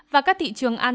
và các thị trường an toàn